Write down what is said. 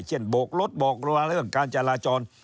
เช่นโบกลดบอกระหว่างเรื่องการจราจร